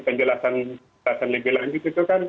penjelasan lebih lanjut itu kan